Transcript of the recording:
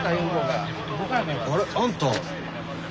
あれ？あんた。